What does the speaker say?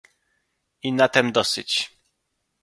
"I na tem dosyć."